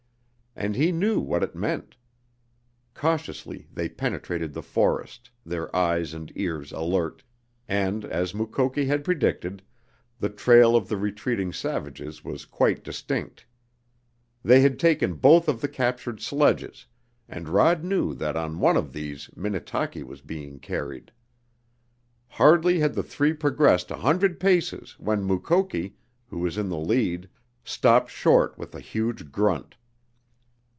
And he knew what it meant. Cautiously they penetrated the forest, their eyes and ears alert, and, as Mukoki had predicted, the trail of the retreating savages was quite distinct. They had taken both of the captured sledges, and Rod knew that on one of these Minnetaki was being carried. Hardly had the three progressed a hundred paces when Mukoki, who was in the lead, stopped short with a huge grunt.